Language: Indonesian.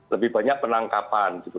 lebih banyak penangkapan gitu